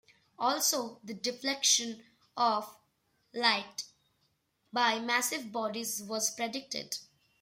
Also the deflection of light by massive bodies was predicted.